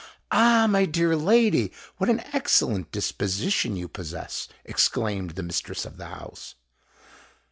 "Ah! my dear lady, what an excellent disposition you possess!" exclaimed the mistress of the house.